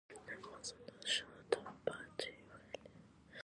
د افغانستان د شاته پاتې والي یو ستر عامل سخت ژوند دی.